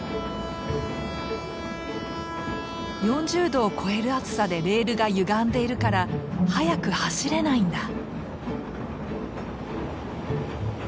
４０度を超える暑さでレールがゆがんでいるから速く走れないんだ。